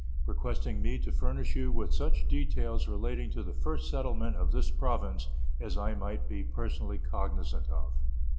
requesting me to furnish you with such details relating to the first settlement of this province as I might be personally cognizant of.